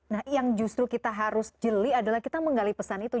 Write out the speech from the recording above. nah yang justru kita harus jeli adalah kita menggali pesan itu